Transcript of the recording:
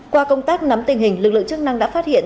qua công tác nắm tình hình lực lượng chức năng đã phát hiện